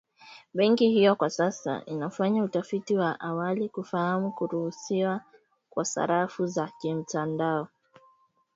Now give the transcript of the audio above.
Benki hiyo kwa sasa inafanya utafiti wa awali kufahamu kuruhusiwa kwa sarafu za kimtandao alisema Andrew Kaware mkurugenzi wa malipo ya taifa